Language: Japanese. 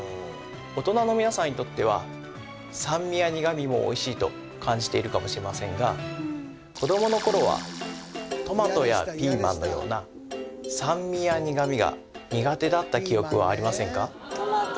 大人のみなさんにとっては酸味や苦味もおいしいと感じているかもしれませんが子どもの頃はトマトやピーマンのような酸味や苦味が苦手だった記憶はありませんか？